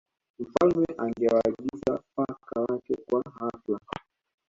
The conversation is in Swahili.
mfalme angewaagiza paka Wake kwa ghafla